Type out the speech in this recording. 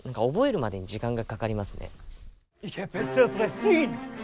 覚えるまでに時間がかかりますね。